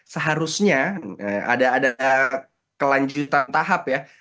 seharusnya ada kelanjutan tahap ya